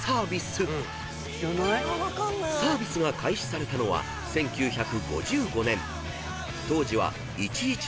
［サービスが開始されたのは１９５５年］